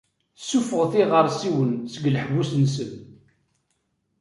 Suffɣet iɣersiwen seg leḥbus-nsen.